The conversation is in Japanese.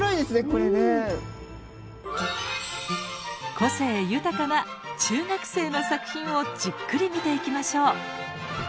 個性豊かな中学生の作品をじっくり見ていきましょう。